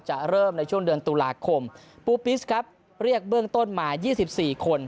จะเริ่มในช่วงเดือนตุลาคมปูปิสครับเรียกเบื้องต้นมา๒๔คน